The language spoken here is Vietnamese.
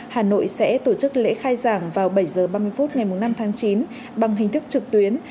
hà nội sẽ tổ chức lễ khai giảng vào bảy h ba mươi phút ngày năm tháng chín bằng hình thức trực tuyến